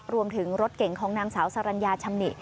รวมถึงรถเก่งของนางสาวสาวน้ำพึ่งชำนิ